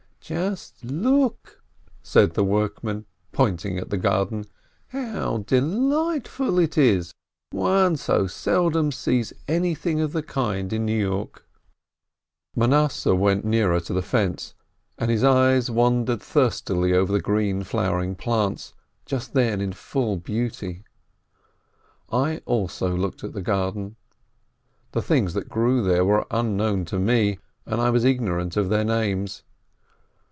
"Just look," said the workman, pointing at the garden, "how delightful it is! One so seldom sees anything of the kind in New York." Manasseh went nearer to the fence, and his eyes wandered thirstily over the green, flowering plants, just then in full beauty. I also looked at the garden. The things that grew there were unknown to me, and I was ignorant of their names.